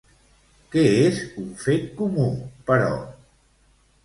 Què és un fet comú, però?